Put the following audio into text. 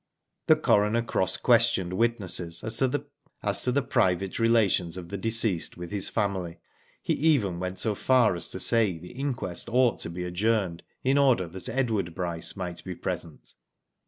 The coroner cross questioned witnesses as to the private relations of the decjeased with his family. He even went so far as to say the inquest ought to be . adjourned, in order that Edward Bryce might be present.